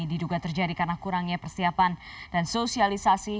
diduga terjadi karena kurangnya persiapan dan sosialisasi